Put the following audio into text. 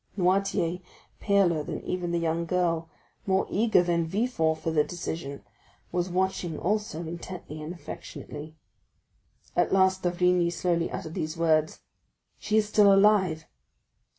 Noirtier, paler than even the young girl, more eager than Villefort for the decision, was watching also intently and affectionately. At last d'Avrigny slowly uttered these words: "She is still alive!"